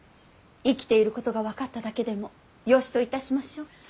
生きていることが分かっただけでもよしといたしましょう。